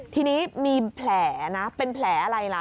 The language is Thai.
ทีนี้มีแผลนะเป็นแผลอะไรล่ะ